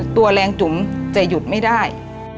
ตัวแรงจุ๋มจะหยุดไม่ได้